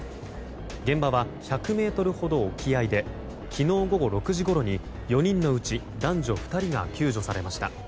現場は１００ｍほど沖合で昨日午後６時ごろに４人のうち、男女２人が救助されました。